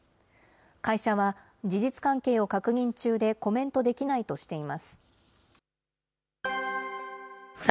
会社は、事実関係を確認中でコメントできないとしています。